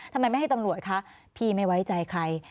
ทำไมไม่ให้ตำรวจคะพี่ไม่ไว้ใจใคร